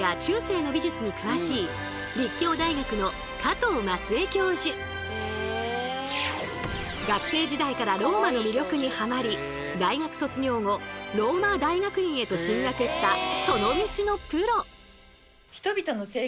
こちらは学生時代からローマの魅力にハマり大学卒業後ローマ大学院へと進学したその道のプロ。